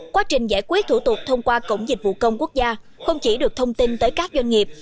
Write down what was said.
quá trình giải quyết thủ tục thông qua cổng dịch vụ công quốc gia không chỉ được thông tin tới các doanh nghiệp